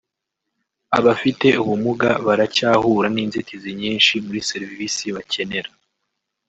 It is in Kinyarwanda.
Abafite ubumuga baracyahura n’inzitizi nyinshi muri serivisi bakenera